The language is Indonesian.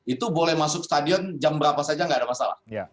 itu boleh masuk stadion jam berapa saja nggak ada masalah